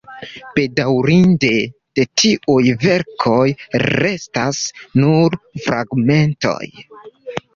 Bedaŭrinde, de tiuj verkoj restas nur fragmentoj.